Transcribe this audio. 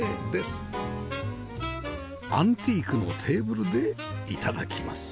アンティークのテーブルで頂きます